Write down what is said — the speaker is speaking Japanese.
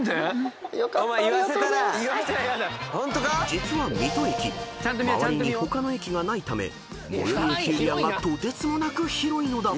［実は水戸駅周りに他の駅がないため最寄駅エリアがとてつもなく広いのだ］